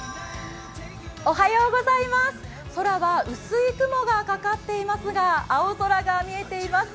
空は薄い雲がかかっていますが、青空が見えています。